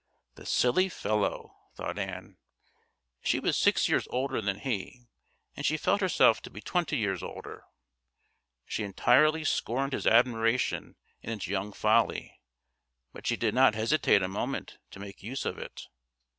"The silly fellow!" thought Ann. She was six years older than he, and she felt herself to be twenty years older. She entirely scorned his admiration in its young folly; but she did not hesitate a moment to make use of it.